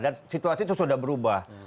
dan situasi itu sudah berubah